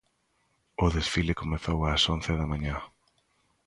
O desfile comezou ás once da mañá.